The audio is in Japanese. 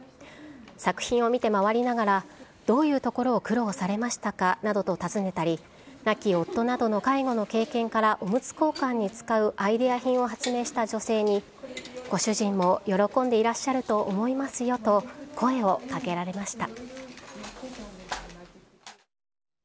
作品を見て回りながら、どういうところを苦労されましたか？などと尋ねたり、亡き夫などの介護の経験からおむつ交換に使うアイデア品を発明した女性にご主人も喜んでいらっしゃると思いますよと声をかけられました。